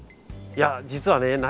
いや実はね